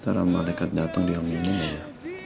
ntar malaikat datang diaminin ya